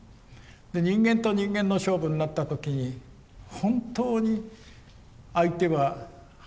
で人間と人間の勝負になった時に本当に相手は話しますね。